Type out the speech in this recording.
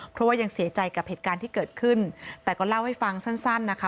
เพราะว่ายังเสียใจกับเหตุการณ์ที่เกิดขึ้นแต่ก็เล่าให้ฟังสั้นนะคะ